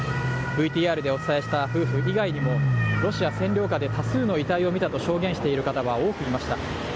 ＶＴＲでお伝えした夫婦以外にも、ロシア占領下で多数の遺体を見たと証言している人は多くいました。